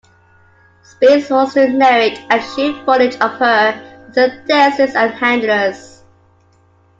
Spears was to narrate and shoot footage of her with her dancers and handlers.